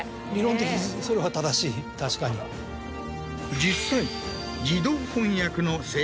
実際。